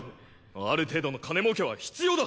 ある程度の金儲けは必要だ！